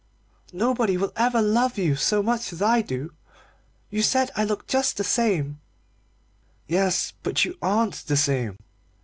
Nobody will ever love you so much as I do you said I looked just the same " "Yes, but you aren't the same."